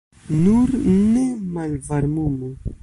Nur ne malvarmumu.